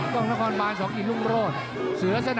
ต้องชอบมวยทั้งนั้นเลยนะ